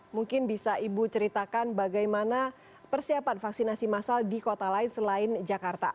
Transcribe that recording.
mungkin bisa ibu ceritakan bagaimana persiapan vaksinasi massal di kota lain selain jakarta